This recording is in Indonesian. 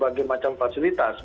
berbagai macam fasilitas